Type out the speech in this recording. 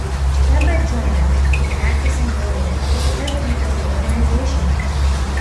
Themba Joina, a practicing lawyer, is the president of the organization.